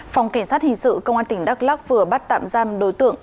phòng cảnh sát hình sự công an tỉnh đắk lắc vừa bắt tạm giam đối tượng